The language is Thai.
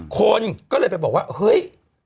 คนก็เลยไปบอกว่าเฮ้ย